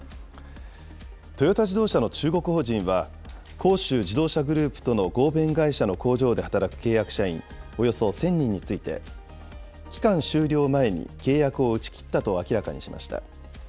トヨタ自動車の中国法人は、広州自動車グループとの合弁会社の工場で働く契約社員およそ１０００人について、期間終了前に契約を打ち切ったと明らかにしました。